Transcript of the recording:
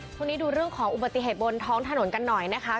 ช่วงนี้ดูเรื่องของอุบัติเหตุบนท้องถนนกันหน่อยนะคะ